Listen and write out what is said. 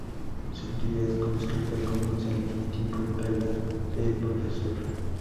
Su actividad como escritor comienza al mismo tiempo que la de profesor.